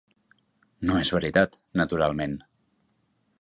No és veritat, naturalment.